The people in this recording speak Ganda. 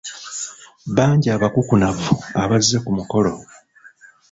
Bangi abakukunavu abazze ku mukolo.